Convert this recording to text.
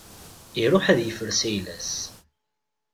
Iruḥ ad yefres ayla-s.